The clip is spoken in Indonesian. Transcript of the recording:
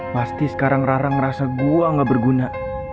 pasti sekarang rara ngerasa gua gak berguna